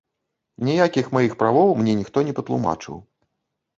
Ніякіх маіх правоў мне ніхто не патлумачыў.